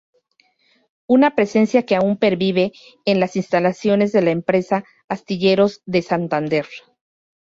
Una presencia que aún pervive en las instalaciones de la empresa "Astilleros de Santander".